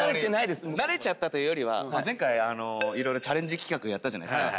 慣れちゃったというよりは前回色々チャレンジ企画やったじゃないですか。